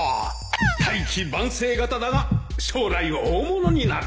大器晩成型だが将来大物になる